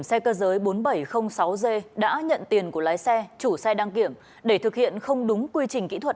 xe cơ giới bốn nghìn bảy trăm linh sáu g đã nhận tiền của lái xe chủ xe đăng kiểm để thực hiện không đúng quy trình kỹ thuật